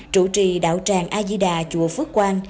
chủ trì đạo tràng ajita chùa phước quang